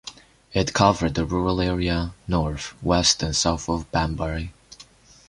It covered the rural area north, west and south of Banbury.